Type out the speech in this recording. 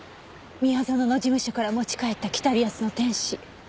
宮園の事務所から持ち帰った『北リアスの天使』。